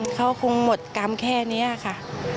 เขาคงหมดกรรมแค่นี้ค่ะ